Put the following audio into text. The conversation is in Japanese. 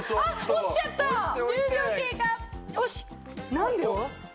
何秒？